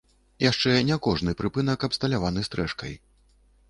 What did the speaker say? Яшчэ не кожны прыпынак абсталяваны стрэшкай.